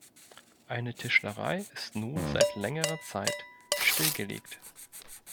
Eine Tischlerei ist nun seit längerer Zeit stillgelegt.